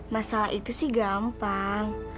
masalah itu sih gampang